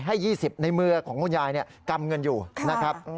ให้๒๐ในมือของคุณยายกำเงินอยู่นะครับ